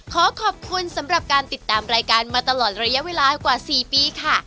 ขอขอบคุณสำหรับการติดตามรายการมาตลอดระยะเวลากว่า๔ปีค่ะ